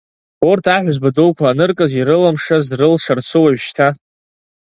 Урҭ аҳәызба дуқәа аныркыз, ирылымшаз рылшарцу уажәшьҭа?